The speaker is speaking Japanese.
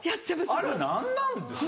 あれ何なんですか？